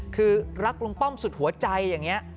คือรักลุงป้อมสุดหัวใจอย่างนี้